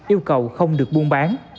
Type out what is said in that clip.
yêu cầu không được buôn bán